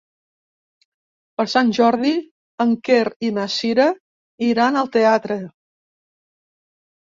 Per Sant Jordi en Quer i na Cira iran al teatre.